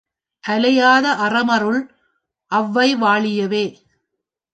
அலையாத அறமருள் ஒளவைவா ழியவே!